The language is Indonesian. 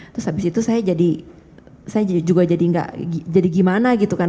terus abis itu saya jadi saya juga jadi gak jadi gimana gitu kan